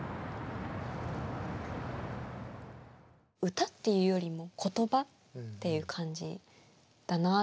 歌っていうよりも言葉っていう感じだなって私は思ってて。